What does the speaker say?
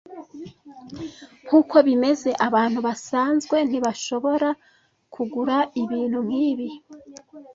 Nkuko bimeze, abantu basanzwe ntibashobora kugura ibintu nkibi.